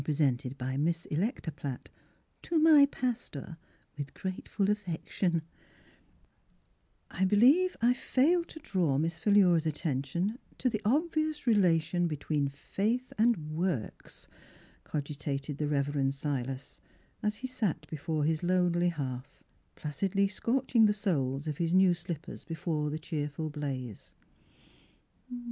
(Presented by Miss Electa Pratt "to my pastor, with grateful affection/') 68 Miss Phihtra *' I believe I failed to draw Miss Philura's attention to the obvious relation between faith and works," cogitated the rev erend Silas, as he sat before his lonely hearth, placidly scorch ing the soles of his new slip pers before the cheerful blaze.